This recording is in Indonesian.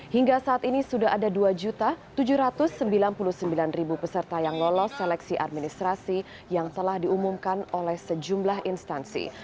hingga saat ini sudah ada dua tujuh ratus sembilan puluh sembilan peserta yang lolos seleksi administrasi yang telah diumumkan oleh sejumlah instansi